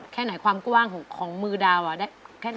แค่ไหนความกว้างของมือดาวได้แค่ไหน